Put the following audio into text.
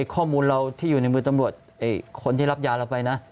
ข้อมูลเราที่อยู่ในมือตำรวจคนที่รับยาเราไปนะ